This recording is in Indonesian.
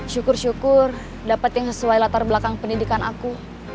syukur syukur dapat yang sesuai latar belakang pendidikan aku